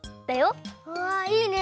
うわいいね！